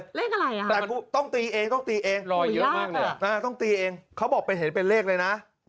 เลขอะไรต้องตีเองต้องตีเองต้องตีเองเขาบอกเป็นเห็นเป็นเลขเลยนะ